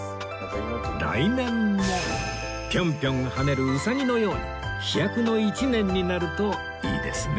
来年もぴょんぴょん跳ねるウサギのように飛躍の一年になるといいですね